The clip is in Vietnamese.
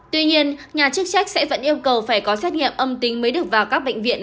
tuy nhiên nhà chức trách sẽ vẫn yêu cầu phải có xét nghiệm âm tính mới được vào các bệnh viện